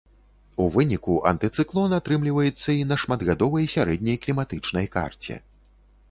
У выніку антыцыклон атрымліваецца і на шматгадовай сярэдняй кліматычнай карце.